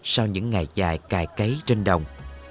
sau những ngày dài cài cấy trên đồng